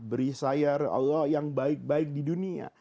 beri saya ke allah yang baik baik di dunia